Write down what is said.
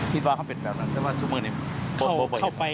คิดว่าเขาเป็นแบบนั้นเพราะว่าชุมินิมเข้าไป